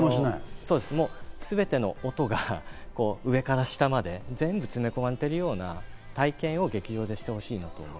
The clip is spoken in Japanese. すべての音が上から下まで全部詰め込まれているような体験を劇場でしてほしいと。